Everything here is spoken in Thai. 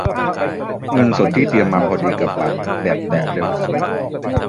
เงินสดที่เตรียมมาพอดีกับบัตรแบบแตะ เร็วสุด